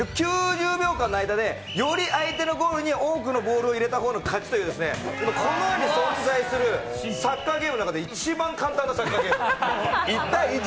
９０秒間の間で、より相手のゴールにボールを入れた方が勝ちというこの世に存在するサッカーゲームの中で一番簡単なサッカーゲーム。